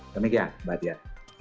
demikian mbak dian